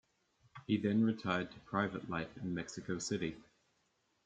He then retired to private life in Mexico City.